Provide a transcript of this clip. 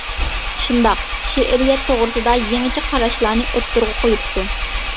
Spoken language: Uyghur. شۇنداق شېئىرىيەت توغرىسىدا يېڭىچە قاراشلارنى ئوتتۇرىغا قۇيۇپتۇ.